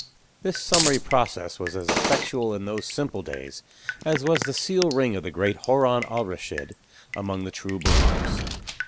This summary process was as effectual in those simple days as was the seal ring of the great Haroun Alraschid among the true believers.